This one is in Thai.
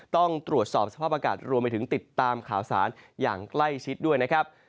ต้องตรวจสอบสภาพอากาศรวมไปถึงติดตามข่าวสารอย่างใกล้ชิดด้วยนะครับ